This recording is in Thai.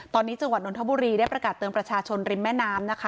ตอนนี้จังหวัดนทบุรีได้ประกาศเตือนประชาชนริมแม่น้ำนะคะ